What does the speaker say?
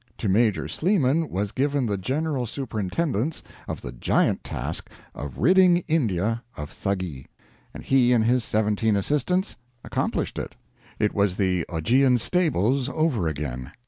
To Major Sleeman was given the general superintendence of the giant task of ridding India of Thuggee, and he and his seventeen assistants accomplished it. It was the Augean Stables over again.